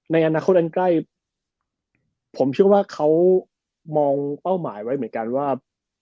ในอนาคตอันใกล้ผมเชื่อว่าเขามองเป้าหมายไว้เหมือนกันว่า